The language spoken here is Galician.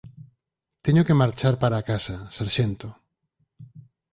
Teño que marchar para a casa, sarxento.